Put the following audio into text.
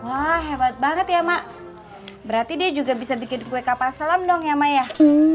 wah hebat banget ya mak berarti dia juga bisa bikin kue kapal selam dong ya mak ya